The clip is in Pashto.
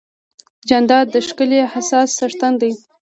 جانداد د ښکلي احساس څښتن دی.